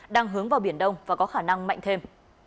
đang hướng vào biển đông và có khả năng mạnh thêm